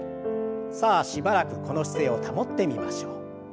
さあしばらくこの姿勢を保ってみましょう。